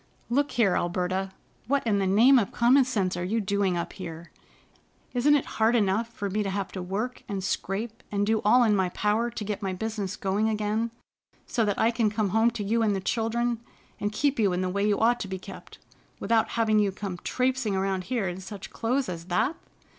"Look here, Alberta, what in the name of common sense are you doing up here? Isn't it hard enough for me to have to work and scrape and do all in my power to get my business going again, so that I can come home to you and the children and keep you in the way you ought to be kept, without having you come traipsing around here in such clothes as that?